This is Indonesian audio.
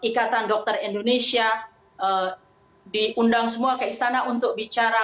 ikatan dokter indonesia diundang semua ke istana untuk bicara